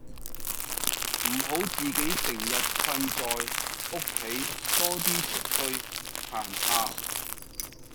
唔好自己成日困在屋企多啲出去行下